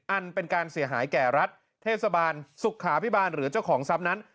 อันเป็นการเสียหายแก่รัฐเทศบาลสุขาพิบาลหรือเจ้าของทรัพย์นั้น